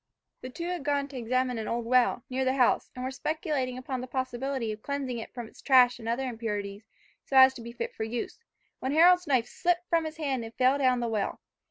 The two had gone to examine an old well, near the house, and were speculating upon the possibility of cleansing it from its trash and other impurities, so as to be fit for use, when Harold's knife slipped from his hand and fell down the well.